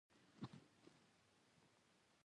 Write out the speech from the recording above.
جاوید په اوه کلنۍ کې پلرني ټاټوبي ته لاړ